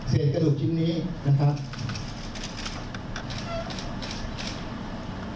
เศรษฐ์กระดูกจิ๊บนี้นะครับ